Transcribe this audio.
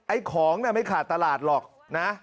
ไอ้ของน่ะไม่ขาดตลาดหรอกนะ